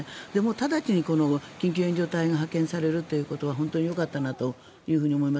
直ちに緊急援助隊が派遣されるということは本当によかったなと思います。